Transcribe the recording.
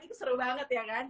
itu seru banget ya kan